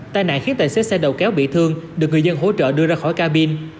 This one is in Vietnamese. tai nạn khiến tài xế xe đầu kéo bị thương được người dân hỗ trợ đưa ra khỏi cabin